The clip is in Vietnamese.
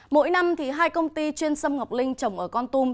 mỗi năm hai công ty chuyên sâm ngọc linh trồng ở con tum